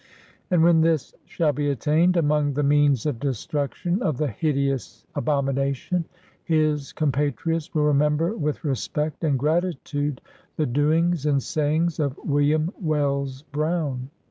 And when this shall be attained, among the means of destruction of the hideous abomination, his compatriots will remember with respect and grat itude the doings and sayings of William Wells Brown.